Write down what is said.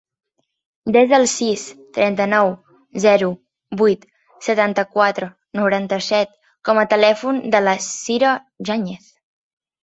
Desa el sis, trenta-nou, zero, vuit, setanta-quatre, noranta-set com a telèfon de la Cira Jañez.